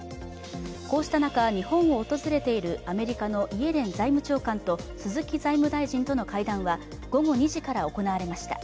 こうした中、日本を訪れているアメリカのイエレン財務長官と鈴木財務大臣との会談は午後２時から行われました。